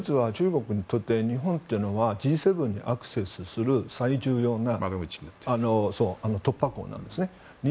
２つあって、１つは中国にとって日本というのはＧ７にアクセスする最重要な突破口なんです。